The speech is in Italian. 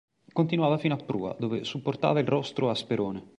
Continuava fino a prua, dove supportava il rostro a sperone.